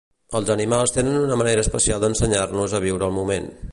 Els animals tenen una manera especial d'ensenyar-nos a viure el moment.